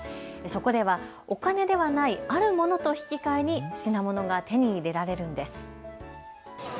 そこではお金ではないあるものと引き換えに品物が手に入れられるんです。